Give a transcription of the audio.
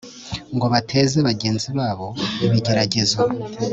ngo bateze bagenzi babo ibigeragezo